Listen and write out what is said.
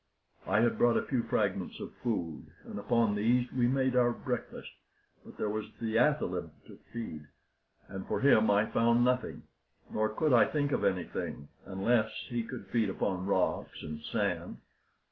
I had brought a few fragments of food, and upon these we made our breakfast; but there was the athaleb to feed, and for him I found nothing, nor could I think of anything unless he could feed upon rocks and sand.